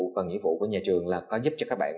và nhiệm vụ của nhà trường là có giúp cho các bạn